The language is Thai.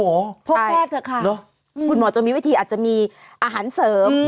พบแพทย์เถอะค่ะคุณหมอจะมีวิธีอาจจะมีอาหารเสริม